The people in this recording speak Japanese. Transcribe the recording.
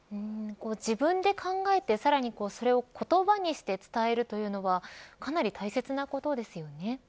自分で考えて、さらにそれを言葉にして伝えるというのはかなり大切なことですよね。